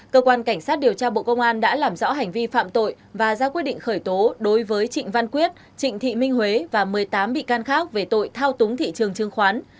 cơ quan cảnh sát điều tra bộ công an đã làm rõ hành vi phạm tội và ra quyết định khởi tố đối với trịnh văn quyết trịnh thị minh huế và một mươi tám bị can khác về tội thao túng thị trường chứng khoán